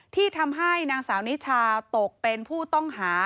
ที่ทำให้นางสาวนิชาตกเป็นผู้ต้องหา